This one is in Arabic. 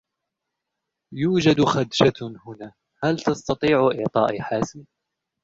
يوجد خدشة هنا، فهل تستطيع اعطائي حسم؟